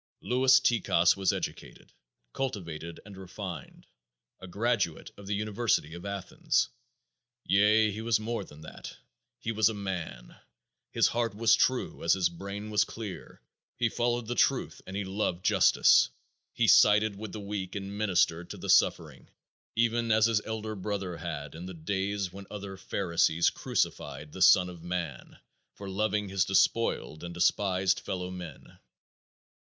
Louis Tikas was educated, cultured and refined, a graduate of the University of Athens; yea, he was more than that, he was a MAN! His heart was true as his brain was clear; he followed the truth and he loved justice; he sided with the weak and ministered to the suffering, even as his elder brother had in the days when other pharisees crucified the Son of Man for loving his despoiled and despised fellow men.